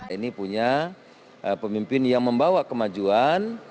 ini punya pemimpin yang membawa kemajuan